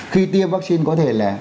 khi tiêm vaccine có thể là